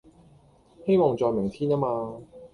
希望在明天呀嘛